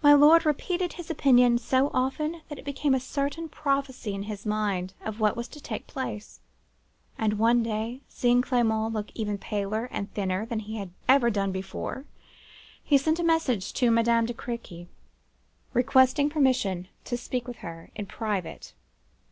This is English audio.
My lord repeated his opinion so often that it became a certain prophecy in his mind of what was to take place; and, one day seeing Clement look even paler and thinner than he had ever done before, he sent a message to Madame de Crequy, requesting permission to speak to her in private.